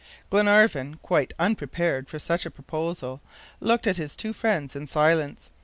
Glenarvan, quite unprepared for such a proposal, looked at his two friends in silence.